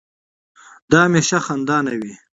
دا هميشه خندانه وي